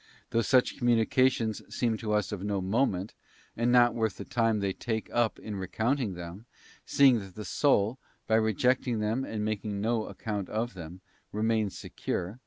Though such communications seem to us.of no moment, and not worth the time they take up in recounting them—seeing that the soul, by rejecting them and making no account of them, remains secure, as I * Gal.